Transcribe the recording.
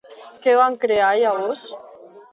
Què van crear, llavors?